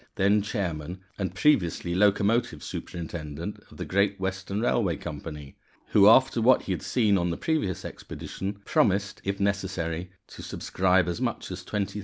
then chairman, and previously locomotive superintendent of the Great Western Railway Company, who, after what he had seen on the previous expedition, promised, if necessary, to subscribe as much as £20,000.